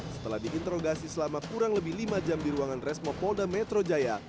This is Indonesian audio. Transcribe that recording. setelah diinterogasi selama kurang lebih lima jam di ruangan resmo polda metro jaya